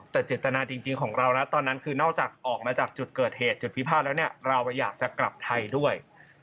แต่เจตนาจริงของเรานะตอนนั้นคือนอกจากออกมาจากจุดเกิดเหตุจุดพิพาทแล้วเนี่ยเราอยากจะกลับไทยด้วย